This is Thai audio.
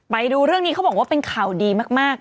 ไปดูเรื่องนี้เขาบอกว่าเป็นข่าวดีมาก